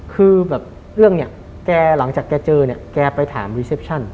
คือแบบเรื่องเนี่ยแกหลังจากแกเจอเนี่ยแกไปถามรีเซปชั่น